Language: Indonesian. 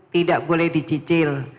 tidak boleh dicicil